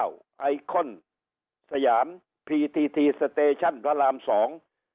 ไอคอนสยามพีทีทีสเตชั่นพระรามสอง